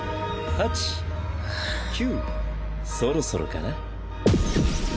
そろそろかな？